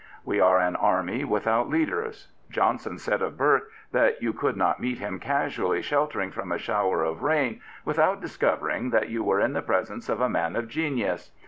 We are an army without leaders. Johnson said of Burke that you could not meet him casually sheltering from a shower of rain without discovering that you were in the presence of a man of genius.